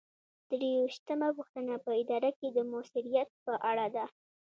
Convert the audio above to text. درویشتمه پوښتنه په اداره کې د مؤثریت په اړه ده.